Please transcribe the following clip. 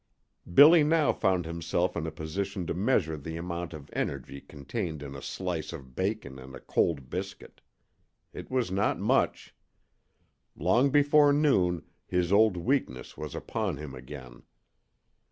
Billy now found himself in a position to measure the amount of energy contained in a slice of bacon and a cold biscuit. It was not much. Long before noon his old weakness was upon him again.